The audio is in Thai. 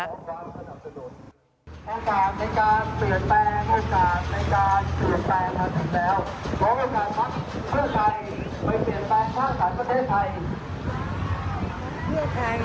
ทางการในการเปลี่ยนแปลงทางการในการเปลี่ยนแปลงมาถึงแล้ว